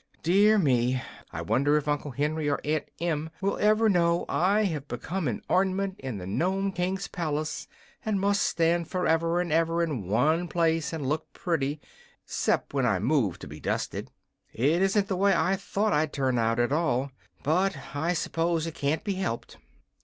Dear me! I wonder if Uncle Henry or Aunt Em will ever know I have become an orn'ment in the Nome King's palace, and must stand forever and ever in one place and look pretty 'cept when I'm moved to be dusted. It isn't the way I thought I'd turn out, at all; but I s'pose it can't be helped."